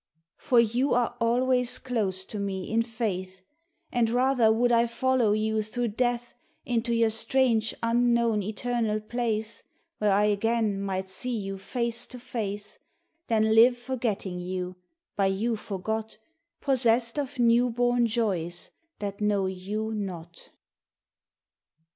For you are always close to me in faith And rather would I follow you through death Into your strange unknown eternal place Where I again might see you face to face Than live forgetting you, by you forgot, Possessed of new born joys that know you not.